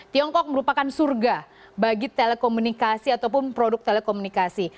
tiongkok merupakan surga bagi telekomunikasi ataupun produk telekomunikasi